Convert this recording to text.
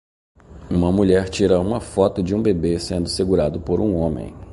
Uma mulher tira uma foto de um bebê sendo segurado por um homem.